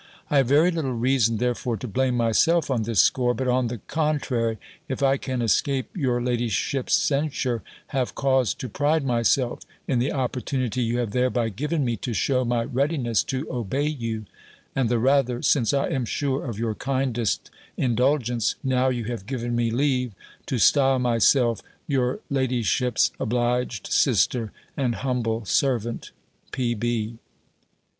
I have very little reason therefore to blame myself on this score; but, on the contrary, if I can escape your ladyship's censure, have cause to pride myself in the opportunity you have thereby given me to shew my readiness to obey you; and the rather, since I am sure of your kindest indulgence, now you have given me leave to style myself your ladyship's obliged sister, and humble servant, P.